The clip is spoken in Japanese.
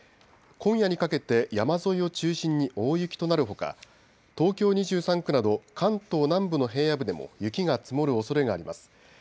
今夜にかけて山沿いを中心に大雪となるほか東京２３区など関東南部の平野部でも雪が積もるおそれがあります。